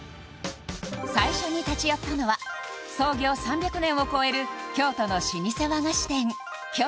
最初に立ち寄ったのは創業３００年を超える京都の老舗和菓子店京